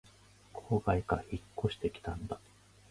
郊外から引っ越してきたんだ